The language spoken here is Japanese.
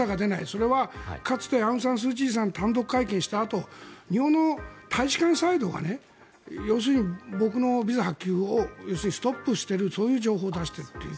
それはかつてアウンサンスーチーさんが単独会見したあと日本の大使館サイドが要するに僕のビザ発給を要するにストップしているそういう情報を出していると。